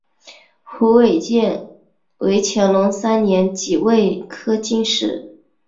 胡建伟为乾隆三年己未科进士。